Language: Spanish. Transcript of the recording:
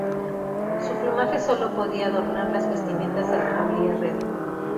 Su plumaje sólo podía adornar las vestimentas de la familia real.